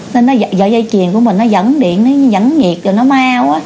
nên sợi dây triền của mình nó dẫn điện nó dẫn nhiệt rồi nó mau